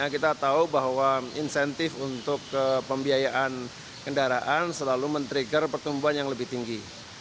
kita tahu bahwa insentif untuk pembiayaan kendaraan selalu men trigger pertumbuhan yang lebih tinggi